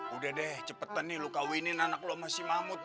udah deh cepetan nih lo kawinin anak lo sama si mamut bari